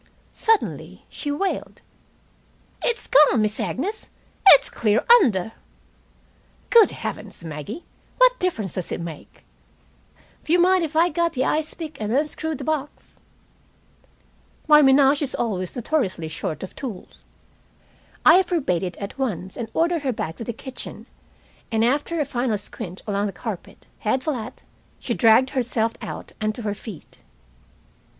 Suddenly she wailed: "It's gone, Miss Agnes. It's clear under!" "Good heavens, Maggie! What difference does it make?" "W'you mind if I got the ice pick and unscrewed the box?" My menage is always notoriously short of tools. I forbade it at once, and ordered her back to the kitchen, and after a final squint along the carpet, head flat, she dragged herself out and to her feet.